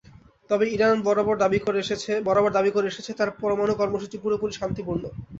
তবে ইরান বরাবর দাবি করে এসেছে তার পরমাণু কর্মসূচি পুরোপুরি শান্তিপূর্ণ।